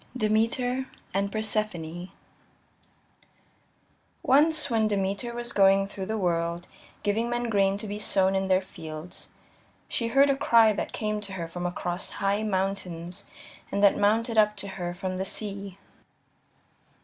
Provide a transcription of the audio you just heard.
Demeter And Persephone I Once when Demeter was going through the world, giving men grain to be sown in their fields, she heard a cry that came to her from across high mountains and that mounted up to her from the sea.